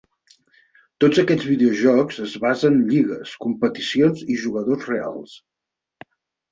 Tots aquests videojocs es basen lligues, competicions i jugadors reals.